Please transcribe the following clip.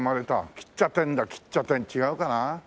きっちゃてんだきっちゃてん違うかな？